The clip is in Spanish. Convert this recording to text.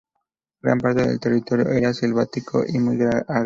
Gran parte del territorio era selvático y muy agreste.